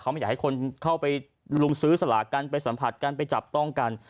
ไม่อยากให้คนเข้าไปลุมซื้อสลากกันไปสัมผัสกันไปจับต้องกัน